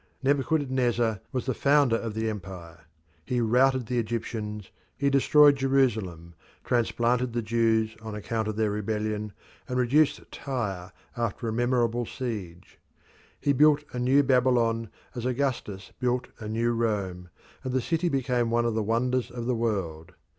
Nebuchadnezzar was the founder of the Empire; he routed the Egyptians, he destroyed Jerusalem, transplanted the Jews on account of their rebellion, and reduced Tyre after a memorable siege. He built a new Babylon as Augustus built a new Rome, and the city became one of the wonders of the world.